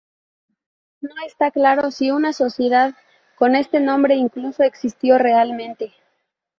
No está claro si una sociedad con este nombre incluso existió realmente.